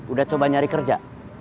udah coba nyari kerja